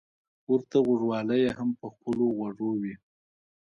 ورته غوږوالۍ يې هم په خپلو غوږو وې.